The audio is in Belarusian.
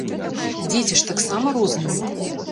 Дзеці ж таксама розныя.